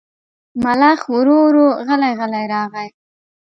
ملخ ورو ورو غلی غلی راغی.